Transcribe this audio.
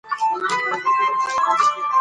تودوخه ډېره لوړه شوې ده.